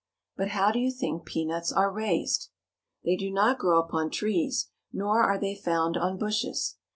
But how do you think peanuts are raised ? They do not grow upon trees, nor are they found on bushes.